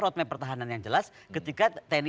road map pertahanan yang jelas ketika tni